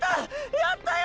やったよ！